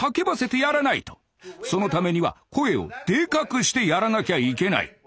そのためには声をでかくしてやらなきゃいけない。